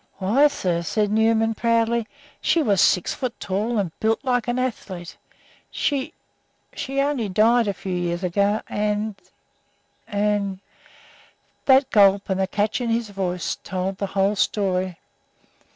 "Why, sir," said Newman, proudly, "she was six feet tall and built like an athlete. She she only died a few years ago, and and " That gulp and the catch in his voice told the whole story.